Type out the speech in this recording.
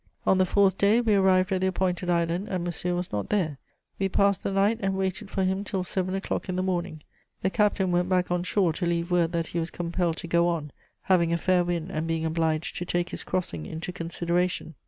On the fourth day, we arrived at the appointed island and Monsieur was not there. We passed the night and waited for him till seven o'clock in the morning. The captain went back on shore to leave word that he was compelled to go on, having a fair wind and being obliged to take his crossing into consideration.